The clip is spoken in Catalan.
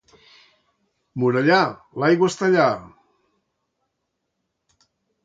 Morellà, l'aigua està allà.